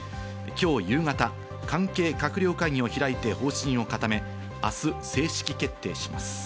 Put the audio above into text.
今日夕方、関係閣僚会議を開いて方針を固め、明日正式決定します。